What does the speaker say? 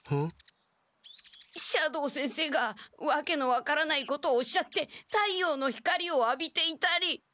斜堂先生がわけの分からないことをおっしゃって太陽の光をあびていたり。